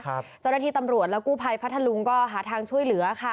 เจ้าหน้าที่ตำรวจและกู้ภัยพัทธลุงก็หาทางช่วยเหลือค่ะ